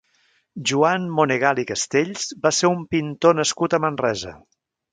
Joan Monegal i Castells va ser un pintor nascut a Manresa.